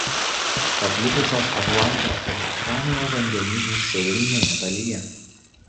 Paplitusios Atlanto ir Ramiojo vandenynų šiaurinėje dalyje.